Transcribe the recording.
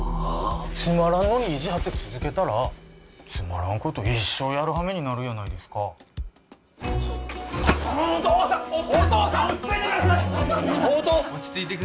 つまらんのに意地張って続けたらつまらんこと一生やる羽目になるやないですかお父さん落ち着いてください！